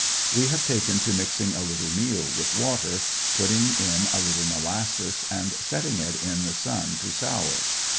We have taken to mixing a little meal with water, putting in a little molasses and setting it in the sun to sour.